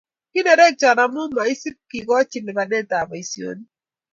kinerekcho amu makisub kekochi lipanetab boisionik